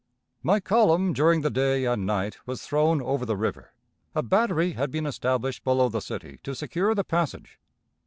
"My column during the day and night was thrown over the river a battery had been established below the city to secure the passage.